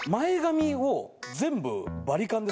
全部。